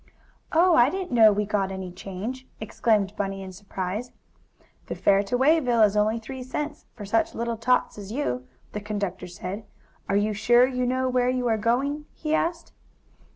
"Oh, I didn't know we got any change!" exclaimed Bunny, in surprise "The fare to Wayville is only three cents, for such little tots as you," the conductor said. "Are you sure you know where you are going?" he asked.